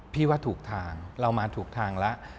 พี่ว่าถูกทางเรามาถูกทางแล้ว